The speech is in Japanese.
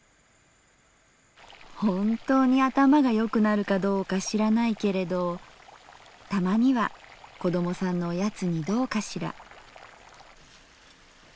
「ほんとに頭がよくなるかどうか知らないけれどたまには子供さんのおやつにどうかしら？」。